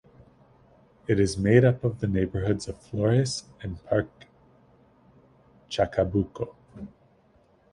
It is made up of the neighborhoods of Flores and Parque Chacabuco.